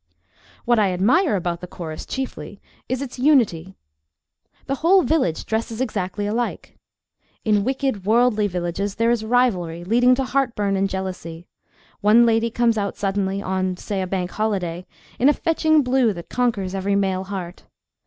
What I admire about the chorus chiefly is its unity. The whole village dresses exactly alike. In wicked, worldly villages there is rivalry, leading to heartburn and jealously. One lady comes out suddenly, on, say, a Bank Holiday, in a fetching blue that conquers every male heart.